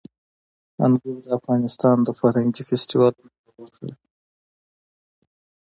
انګور د افغانستان د فرهنګي فستیوالونو یوه برخه ده.